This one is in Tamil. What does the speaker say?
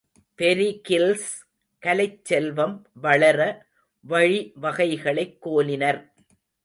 பெரிகில்ஸ் கலைச் செல்வம் வளர வழி வகைகளைக் கோலினர்.